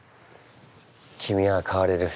君は変われる。